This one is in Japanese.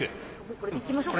これでいきましょうか。